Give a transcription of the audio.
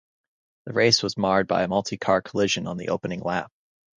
The race was marred by a multi-car collision on the opening lap.